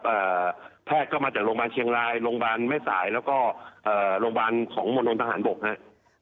แพทย์ก็มาจากโรงพยาบาลเชียงรายโรงพยาบาลไม่สายแล้วก็โรงพยาบาลของมนุษย์ทหารบกครับ